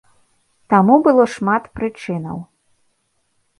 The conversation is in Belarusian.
Таму было шмат прычынаў.